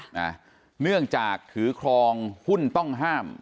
เนื่องจากถือครองหุ้นต้องห้าม